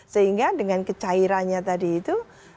sehingga dengan kecairannya tadi itu